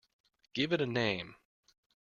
Give it a name.